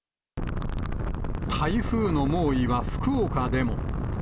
台風の猛威は福岡でも。